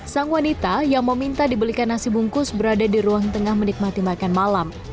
sang wanita yang meminta dibelikan nasi bungkus berada di ruang tengah menikmati makan malam